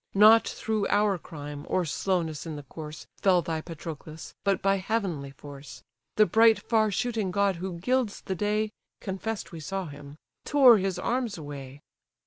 Not through our crime, or slowness in the course, Fell thy Patroclus, but by heavenly force; The bright far shooting god who gilds the day (Confess'd we saw him) tore his arms away.